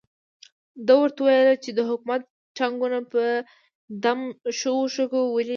ده ورته ویلي وو چې د حکومت ټانګونه په دم شوو شګو وولي.